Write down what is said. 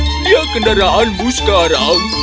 ini kendaraanmu sekarang